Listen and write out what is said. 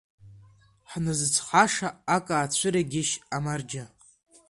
Ҳназыцҳаша ак аацәыргеишь, амарџьа!